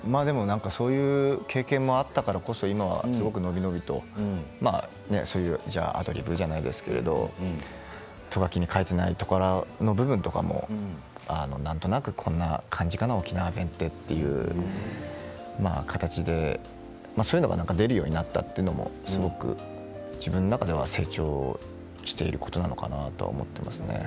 そういう経験があったからこそ今は伸び伸びとアドリブじゃないですけれどト書きに書いていないところの部分とかもなんとなくこんな感じかな沖縄弁って、ていう形でそういうのがなんか出るようになったというのも自分の中では成長していることなのかなと思っています。